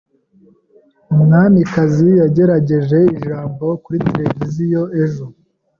Umwamikazi yagejeje ijambo kuri televiziyo ejo.